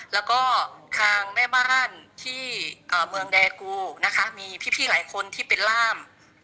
แล้วก็ทางแม่บ้านที่เมืองแดกูนะคะมีพี่หลายคนที่เป็นร่าม